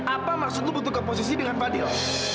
apa maksud lu bertukar posisi dengan fadil